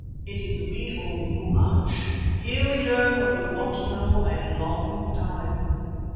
It is we owe you much. Here we learn what we want know long time.